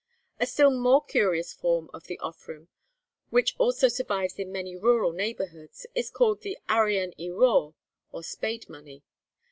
A still more curious form of the offrwm, which also survives in many rural neighbourhoods, is called the Arian y Rhaw, or spade money.